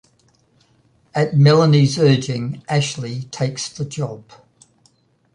At Melanie's urging, Ashley takes the job.